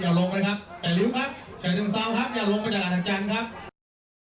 อย่าลงไปนะครับแต่ริ้วครับใช้เรื่องซาวน์ครับ